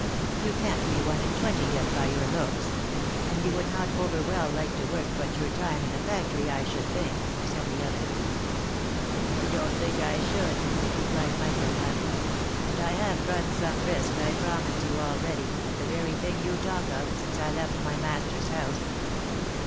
You can't be one and twenty yet by your looks, and you would not over well like to work tut your time in a factory, I should think," said the other. " I don't think I should," replied Michael, laughing ;" and I have run some risk, I promise you , already, of the very thing you talk of, since I left my master's house.